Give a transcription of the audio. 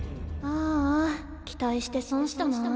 ああ期待して損したなあ。